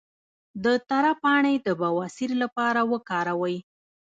د تره پاڼې د بواسیر لپاره وکاروئ